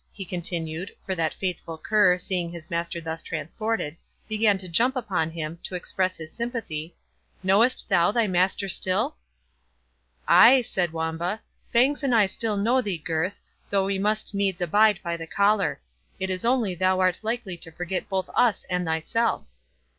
he continued,—for that faithful cur, seeing his master thus transported, began to jump upon him, to express his sympathy,—"knowest thou thy master still?" "Ay," said Wamba, "Fangs and I still know thee, Gurth, though we must needs abide by the collar; it is only thou art likely to forget both us and thyself."